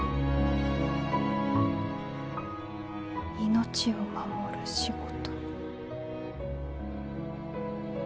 「命を守る仕事」。